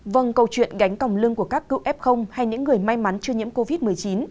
vâng câu chuyện gánh còng lưng của các cựu f hay những người may mắn chưa nhiễm covid một mươi chín